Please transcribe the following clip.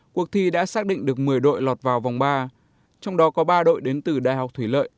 cuộc thi đã xác định được một mươi đội lọt vào vòng ba trong đó có ba đội đến từ đại học thủy lợi